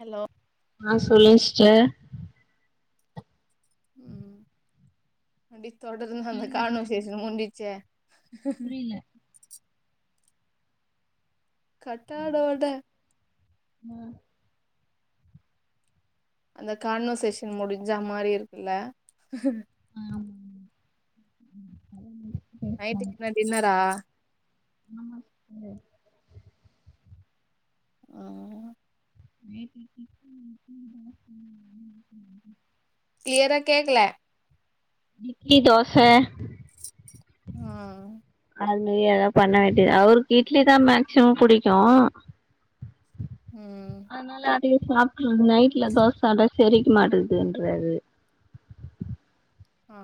Hello ஆ சொல்லுங் sister ம் அப்டி தொடர்ந்து அந்த கேக்குதா சிஸ்டர் கான்வர்சேஷன் முஞ்சிச்சே உஹ் ஹ் புரியல கட்டாடோட ம் அந்த கான்வர்சேஷன் முடிஞ்சா மாரி இருக்குல்ல ஆமா பேசலாம். நைட்டுக்கு என்ன டின்னரா ஆமா சிஸ்டர் ஆ [inaudible] கிளியரா கேக்ல இட்லி தோச ம் அது ஏதா பண்ண வேண்டியத அவருக்கு இட்லி தா மேக்சிமம் புடிக்கு ம் இட்லியே சாப்ட்றது நைட்ல தோச சாப்ட செரிக்க மாட்டிகிதுன்றாரு ஆ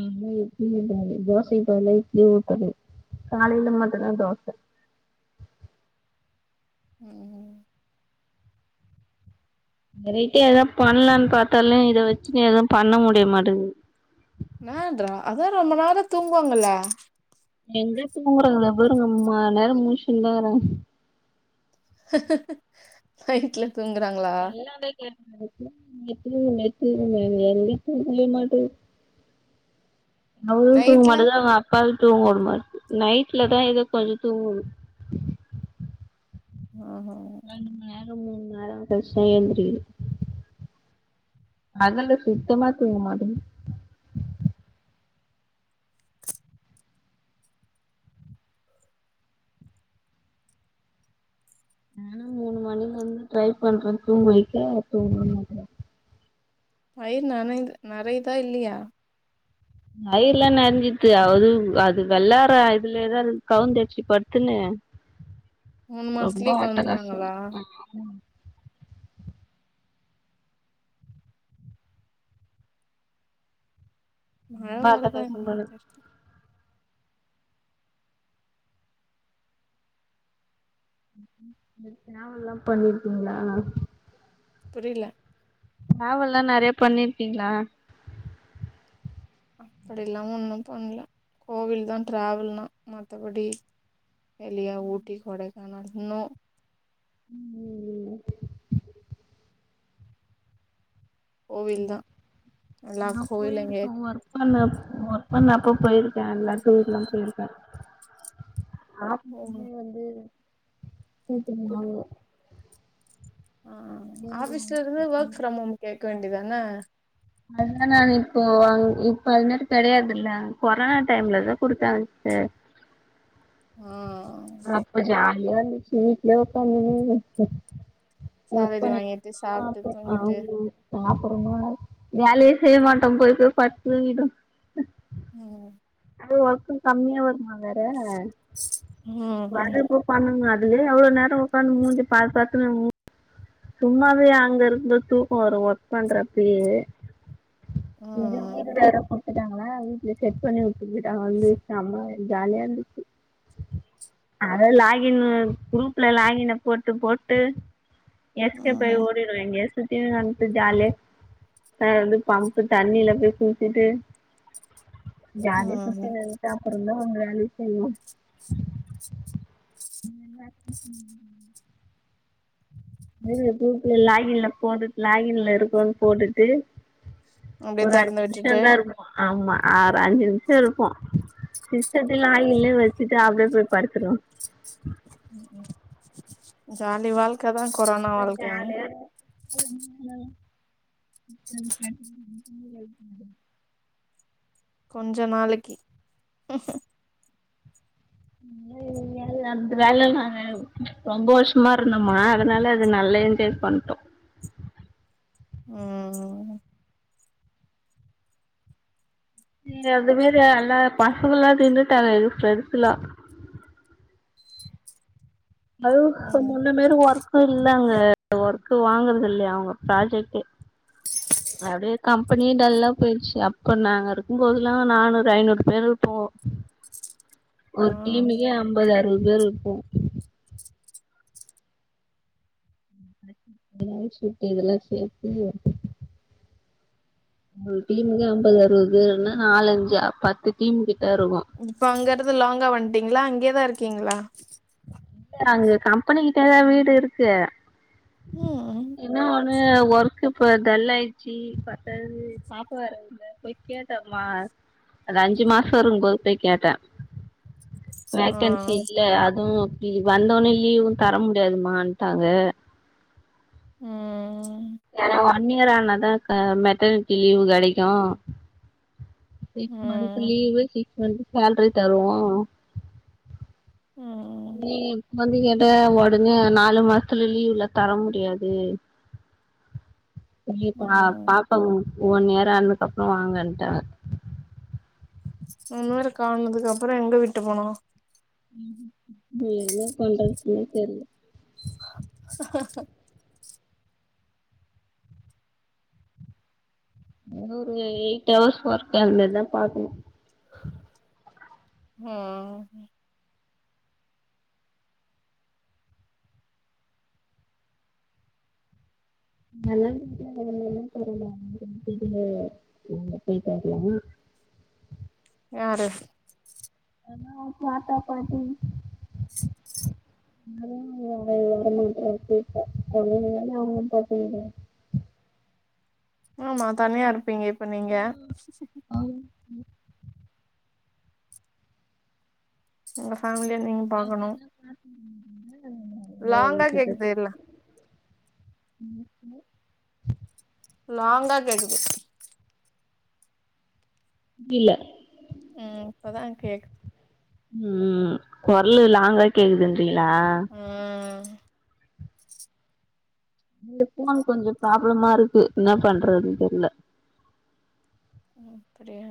வந்தா இட்லிம்பாரு தோசைக்கு பதிலா இட்லி ஊத்தனு காலைல மட்டுந்தா தோச [inaudible] ம் வெரைட்டியா எதா பண்லானு பாத்தாலு இத வச்சுனு எது பண்ண முடிய மாட்டிங்து என்னான்றா அதா ரொம்ப நேரோ தூங்குவாங்கல எங்க தூங்கறா அங்க பாருங்க ரொம்ப நேர முழிச்சுனு தா இருக்றாங்க நைட்ல தூங்குறாங்ளா [inaudible] [inaudible] அவ்ளு நைட்ல தூங்கமாட்டேங்றா அவுங்கப்பாவையு தூங்க உடமாட்து நைட்லதா எதோ கொஞ்சோ தூங்குது ஆ ஹ ரெண்டு மண் நேரோ மூணு மண் நேரோ கழிச்சுதா எழுந்ரிக்குது பகல்லா சுத்தமா தூங்க மாட்டிங்து நானு மூணு மணில இருந்து ட்ரை பண்றே தூங்கவைக்க தூங்கவே மாட்டிங்து வயிறு நனை நெறையுதா இல்லயா வயிறெலா நெறஞ்சிச்சு அது அது வெள்ளாற இதுலயேதா இருக்து கவுந்தடுச்சி படுத்துனு மூணு மாசத்துலயே கவுந்துட்டாங்களா மழ ரொம்ப வருதா அட்டகாசோ பண்ணுது என்னனு தெர்ல நீங்க ட்ராவெல்லா பண்ணிருக்கிங்ளா புரில ட்ரவெல்லா நெறையா பண்ணிருக்கிங்ளா அப்டில்லா ஒண்ணு பண்ல கோவில் தா டிராவெல்னா மத்தபடி வெளியா ஊட்டி கொடைக்கானல் நோ உம் ஐய்யய்யோ கோவில் தா எல்லா நா கோவில் போயிருக்க எங்கயாச்சு ஒர்க் பண்ண ஒர்க் பண்ணப்ப போயிருக்கே எல்லா டூர்குலா போயிருக்க போணு ஆபிஸ்லயே வந்து கேட்டுருந்தனாலே ஆஹ் ஆபீஸ்ல இருந்து ஒர்க் ஃப்ரம் ஹோமு கேக்க வேண்டிதான அதனா நா இப்போ இப்ப அது மாரி கெடையாதுல்ல கொரோனா டைம்லதா குடுத்தாங்க சிஸ்டர் ம் லியாருந்துச்சி வீட்லே உக்காந்துன்னு ஒர்க் சேலரி வாங்கிட்டு பண்ணிட்ருந்தோ சாப்ட்டு அப்றோம தூங்கிட்டு அவ்ங்ளே பாப்போமா வேலயே செய்ய மாட்டோம் போய் போய் படுத்து துங்கிடுவோ உம் அது ஒர்க்கும் கம்மியா வருமா வேற ம் வரப்ப பண்ணுங்க இதுலே எவ்ளோ நேரம் உக்காந்து மூஞ்ச பாத்து பாத்துனே மு சும்மாவே அங்க இருந்த தூக்க வரும் ஒர்க் பண்றப்பயே இதே வீடு ம் வேற போ போய்ட்டாங்களா வீட்டுல செட் பண்ணி வெச்சிட்டு போய்டாங்க ஐயோ செம ஜாலியா இருந்துச்சு அத லாகின்னு குரூப்ல லாகின்ன போட்டு போட்டு எஸ்கேப் ஆயி ம் ஓடிடுவே எங்கயாச்சும் சுத்தினுட ஜாலியா எதாவது பம்ப்பு தண்ணியில போய் குளிச்சிட்டு ஜாலியா ம் ம் சுத்தினிருண்டு அப்பறந் தா வருவே [inaudible] து குரூப்ல லாகின்ல போட்டு லாகின்ல இருக்கோம்ன்னு போட்டுட்டு அப்டியே ஒரு தெறந்து அஞ்சு நிமிஷோ விட்டுட்டு தா இருப்போம் ஆமா ஆற அஞ்சு நிமிஷோ இருப்போம் சிஸ்டத்த லாகின்லே வச்சுட்டு அப்டியே போய் படுத்துருவோ ஜாலி வாழ்க்க தா கொரோனா வாழ்க்க ஹ் ஜாலியா [unintelligible] கொஞ்ச நாளைக்கி சும்மாவே வேலல அந்த வேல்லல்ல நானு ரொம்போ வர்ஷமா இருந்தோம அதனால அது நல்லா என்ஜாய் பண்ட்டோ ம் எதுமே ல்லா எல்லா பசங்கல்லா நீன்னுட்டாங்க எங்க ப்ரெண்ட்ஸெல்லா அதுவு ம் முன்னு மேரி ஒர்க்கு இல் லங்க ஒர்க்கே வாங்கறது இல்லையா அவுங்க ப்ராஜெக்ட்டே அப்டியே கம்பெனியே டல்லா போயிருச்சு அப்போ நாங்க இருக்கும்போதெல்லா நானூறு ஐநூறு பேரு இருப்போ ஒரு ஆ டீமுக்கே அம்பது அருவது பேரு இருப்போ எ சிப்ட்டு இதெல்லாம் சேத்து ஒரு டீமுக்கு ஐம்பது அறுபது பெருன்ன நாலஞ்சா பத்து டீமுகிட் இப்ப அங்கற்ந்து லாங்கா வந்துட்டீங்களா அங்கேதா இருக்கீங்களா இல்ஷ அங்க கம்பெனி கிட்ட தா வீடு இருக்கு ம்ஹும் அ ஒர்க்கு இப்ப டல் ஆயிச்சி பத்தாது பாப்பா வேரல்ல போய் கேட்டமா அது அஞ்சு மாசோ இருக்கும்போது போய் கேட்ட ஆ வேகன்சி இல்ல அத் துவும் அப்டி வந்தவோனே லீவும் தர முடியாதுமட்டாங்க ம்ஹும் ஏனா ஒன் இயர் ஆனாதாகா மெட்டர்னிட்டி லீவு கெடைக்கு சிக்ஸ் மந்த் ம் லீவு சிக்ஸ் மந்த் சேல்ரி தருவோ ம் நீ இப்ப வந்து கேட்ட ஒடனே நாலு மாசத்துல லீவுலா தர முடியாது. [unintelligible] ம் பாக்கணு ஒன் இயர் ஆனதுக்கப்றோ வாங்கன்ட்டாங்க இந்த மாரி காரணதுக்கு அப்றோ எங்க விட்டு போனோ ம் என்ன பண்றதுக்குனே தெர்ல அது ஒரு எயிட் அவர்ஸ் ஒர்க் அந்த இதா பாக்கணு ம் [inaudible] பெய்ட்டு வரலாமா யாரு [inaudible] தாத்தா பாட்டி [unintelligible] ஆமா தனியா இருப்பீங்க இப்ப நீங்க ம் ஒங்க ஃபேமிலிய நீங்க பாக்கணு லாங்கா கேக்குது எல்லா [inaudible] லாங்கா கேக்குது புரில ம் இப்பதா கேக்து ம் கொரலு லாங்கா கேக்குதுன்றீங்ளா ம் இந்த ஃபோன் கொஞ்சோ ப்ராப்ளமா இருக்கு என்ன பண்றதுன் தெர்ல அப்டியா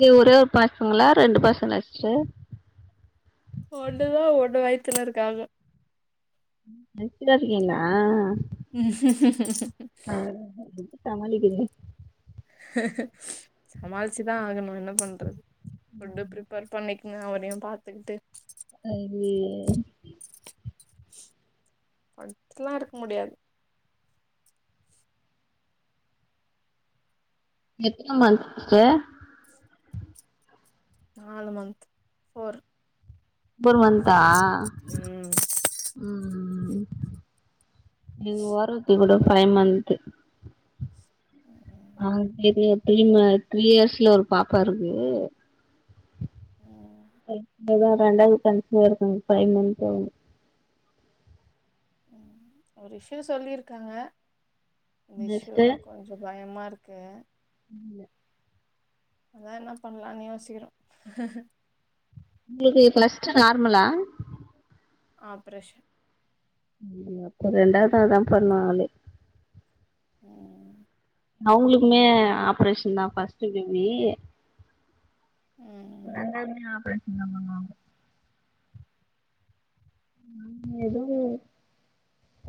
நீங்க ஒரே ஒரு பசங்களா ரெண்டு பசங்கள சிஸ்டர் ஒன்னுதா ஒன்னு வய்த்துல இருக்காங்க. கன்சீவா இருக்கீங்ளா? சமாளிக்கிறிங் சமாளிச்சுதா ஆகணு என்ன பண்றது ஃபுட்டு ப்ரிஃப்பர் பண்ணிக் அவரையு பாத்துக்கிட்டு சரி படுத்துல்லா இருக்க முடியாது எத்துன மந்த் சிஸ்டர் நாலு மந்த் ஃபோர் ஒம்பது மந்த்தா ம் ம் ம் எங் ஓரங்கத்தி கூட ஃபைவ் மந்த்து ஆ அந்த பிள்ளைக்கு த்ரீ ம த்ரீ இயர்ஸ்ல ஒரு பாப்பா இருக்கு [inaudible] தா ரெண்டாவ்து கன்சீவ்வா இருக்காங்க ஃபைவ் மந்த் ஆவுது ஒரு இஷ்யூ சொல்லியிருக்காங்க இந்த என்ன சிஸ்டர் இஷ்யூதா கொஞ்சோ பயமாரு க்கு இல்ல அதா என்னா பண்ணலானு யோசிக்கிறோ உங்களுக்கு க்லஸ்ட்டு நார்மலா ஆப்ரேஷன் ம் அப்ப ரெண்டாவ்தா தா பொற்ந்தோ ஆலு ம் அவுங்ளுக்குமே ஆப்ரேஷுன் தா ஃபஸ்ட்டு பெமி ம் ரெண்டாதுமே ஆப்ரேஷுன் தா பன்னுவாங்க ம் எதோ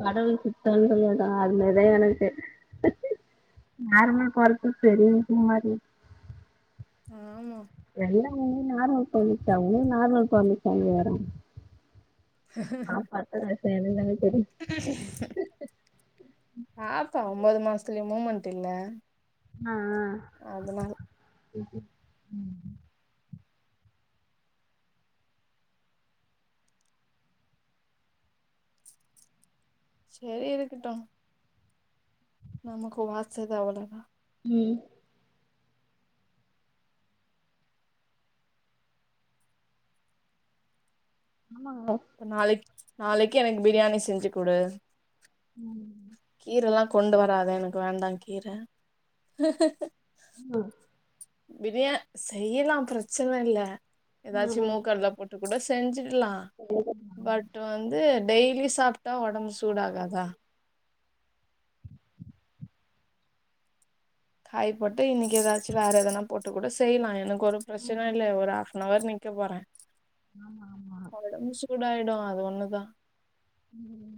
கடவுள் சுத்தொன் சொல்வேன்டா அது மேரி தா எனக்கு செ மேர்மல் கால் பத் தெரியு சும்மாரு ஆமா எல்லா உனுக் நார்மல் பொறந்துச்சா உனுக் நார்மல் பொறந்துச்சா கேகறாங் அ பட்ட கஷ்டொ எனுக்குதானா பாப்போ ஒம்பொது மாஸ்தில்யு மூமண்ட் இல்ல அ அதனால அ ம் ம் சேரி இருக்குட்டு நமக்கு வாச்சது அவளோதா ம் ப்ப நாளக் நாளக்கி எனக்கு பிரியாணி செஞ்சி குடு ம் கீரல்லா கொண்டு வராத எனக்கு வேண்டா கீர என்னா பிரியா செய்யலா பிரச்சன இல்ல ஏதாச்சு ஆ மூக்கட்ல போட்டு கூட செஞ்சுரு ல்லா பட் வந்து டெய்லி சாப்ட்டா ஒடம்மு சூடாகாதா தாய் போட்டு இன்னிக்கி ஏதாச்சு வேற எதனா போட்டு கூட செய்லா எனக் கொரு ம் ஆமாங்க ம் ப்ரச்சன ம் இல்ல ஒரு ஆஃப்னவர் நிக்க போற ஆமா ஆமா கூடாய்டு அது ஒன்னு தா உம்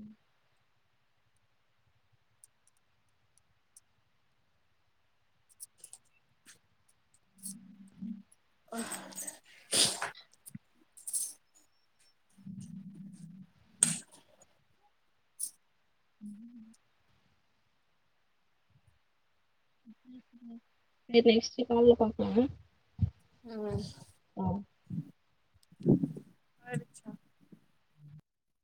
டே நெஷ்டு கால்ல பாக்லா ஆவ ஆய்டுச்சா